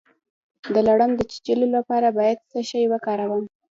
د لړم د چیچلو لپاره باید څه شی وکاروم؟